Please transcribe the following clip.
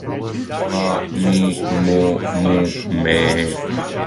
маа мии моо муу мееее